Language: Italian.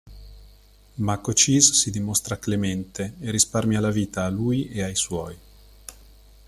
Ma Cochise si dimostra clemente e risparmia la vita a lui e ai suoi.